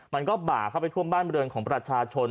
บ่าเข้าไปท่วมบ้านบริเวณของประชาชน